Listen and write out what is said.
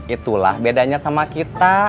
itulah bedanya sama kita